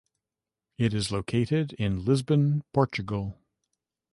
It is located in Lisbon, Portugal.